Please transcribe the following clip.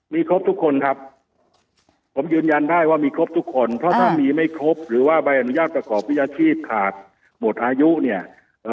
มีครบทุกคนครับผมยืนยันได้ว่ามีครบทุกคนเพราะถ้ามีไม่ครบหรือว่าใบอนุญาตประกอบวิชาชีพขาดหมดอายุเนี่ยเอ่อ